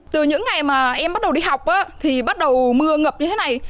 từ những ngày mà em bắt đầu đi học thì bắt đầu mưa ngập như thế này